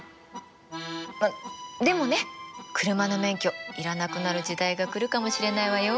あっでもね車の免許要らなくなる時代が来るかもしれないわよ？